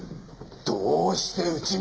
どうしてうちに！？